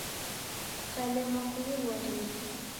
Kukalemwa kunighorie